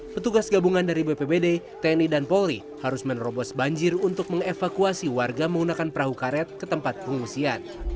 petugas gabungan dari bpbd tni dan polri harus menerobos banjir untuk mengevakuasi warga menggunakan perahu karet ke tempat pengungsian